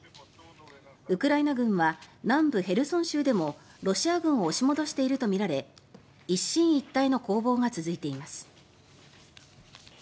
ウクライナ軍は南部ヘルソン州でもロシア軍を押し戻しているとみられ一進一退の攻防が続いています。